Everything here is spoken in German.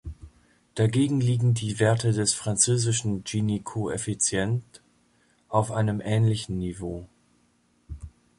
Dagegen liegen die Werte des französischen Gini-Koeffizient auf einem ähnlichen Niveau.